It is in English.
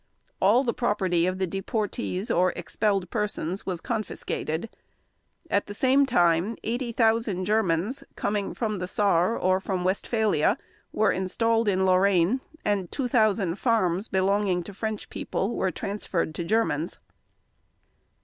All the property of the deportees or expelled persons was confiscated. At the same time, 80,000 Germans coming from the Saar or from Westphalia were installed in Lorraine and 2,000 farms belonging to French people were transferred to Germans.